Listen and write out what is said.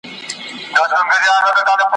قام ته د منظور پښتین ویاړلې ابۍ څه وايي ,